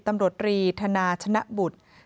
ตำรวจรีธนาชนะบุตร